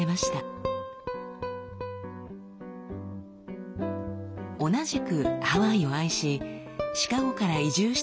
同じくハワイを愛しシカゴから移住してきた青年がいました。